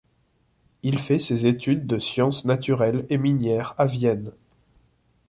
Il fait ses études de sciences naturelles et minières à Vienne.